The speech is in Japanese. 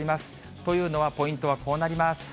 というのはポイントはこうなります。